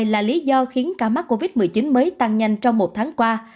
là lý do khiến ca mắc covid một mươi chín mới tăng nhanh trong một tháng qua